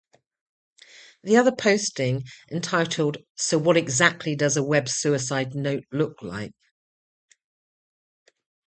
The other posting, entitled So what exactly does a web suicide note look like?